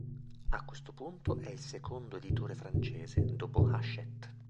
A questo punto è il secondo editore francese, dopo Hachette.